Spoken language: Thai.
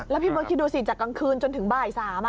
แล้วพี่เบิร์คิดดูสิจากกลางคืนจนถึงบ่าย๓